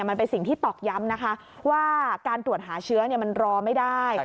มันเป็นสิ่งที่ตอกย้ำนะคะว่าการตรวจหาเชื้อมันรอไม่ได้